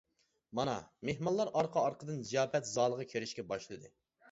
مانا، مېھمانلار ئارقا-ئارقىدىن زىياپەت زالىغا كىرىشكە باشلىدى.